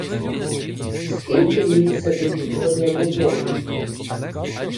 — Скільки літ сидить у твоєму домі?